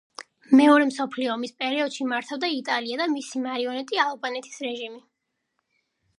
მეორე მსოფლიო ომის პერიოდში მართავდა იტალია და მისი მარიონეტი ალბანეთის რეჟიმი.